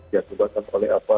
yang dibuat oleh apa